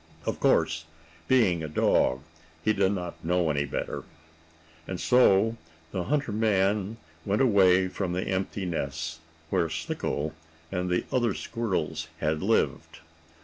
Of course being a dog, he did not know any better. And so the hunter man went away from the empty nest, where Slicko and the other squirrels had lived.